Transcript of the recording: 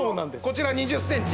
こちら２０ｃｍ